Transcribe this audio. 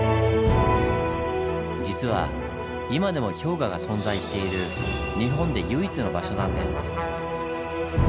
実は今でも氷河が存在している日本で唯一の場所なんです。